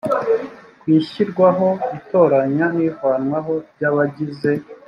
ku ishyirwaho itoranya n’ivanwaho by’abagize